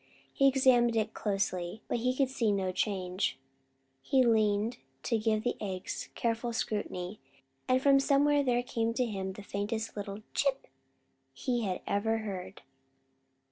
He examined it closely, but he could see no change. He leaned to give the eggs careful scrutiny, and from somewhere there came to him the faintest little "Chip!" he ever had heard.